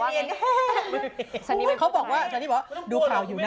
ก็กลัวเขาบอกว่าชันี่บอกว่าดูคราวอยู่น่ะ